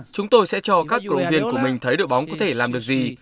chúng tôi sẽ cho các cầu viên của mình thấy đội bóng có thể làm được gì